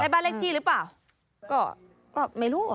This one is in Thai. ใช้บ้านเรียกที่หรือเปล่าก็ไม่รู้อะ